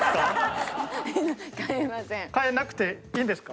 変えなくていいんですか？